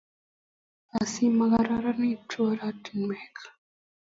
asigo magararanitu oratinwek